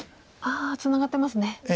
ああツナがってますね。